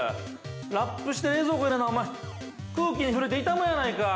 ラップして冷蔵庫に入れな、おまえ空気に触れて傷むやないか！